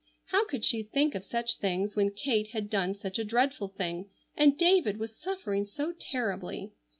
How could she think of such things when Kate had done such a dreadful thing, and David was suffering so terribly?